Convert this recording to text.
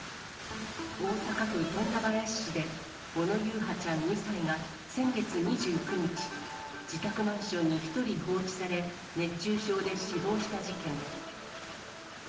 大阪府富田林市で、小野優陽ちゃん２歳が先月２９日、自宅マンションに１人放置され、熱中症で死亡した事件。